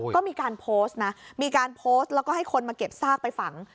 ก็มีการโพสต์นะมีการโพสต์แล้วก็ให้คนมาเก็บซากไปฝัง